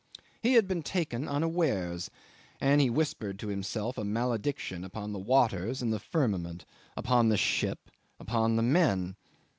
He had been taken unawares and he whispered to himself a malediction upon the waters and the firmament, upon the ship, upon the men.